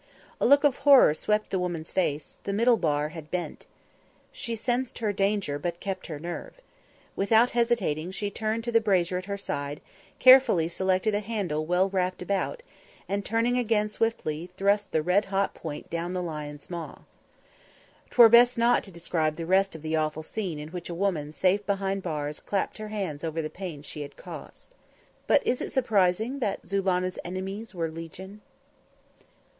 A look of horror swept the woman's face the middle bar had bent. She sensed her danger, but kept her nerve. Without hesitating, she turned to the brazier at her side, carefully selected a handle well wrapped about, and, turning again swiftly, thrust the red hot point down the lion's maw. 'Twere best not to describe the rest of the awful scene in which a woman safe behind bars clapped her hands over the pain she had caused. But is it surprising that Zulannah's enemies were legion?